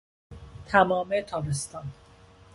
تمام تابستان